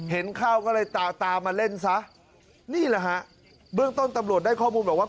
เห็นข้าวก็เลยตามตามมาเล่นซะนี่แหละฮะเบื้องต้นตำรวจได้ข้อมูลบอกว่า